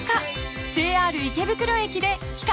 ＪＲ池袋駅で期間